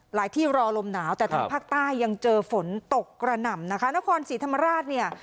ที่รอลมหนาวแต่ทางภาคใต้ยังเจอฝนตกกระหน่ำนะคะนครศรีธรรมราชเนี่ย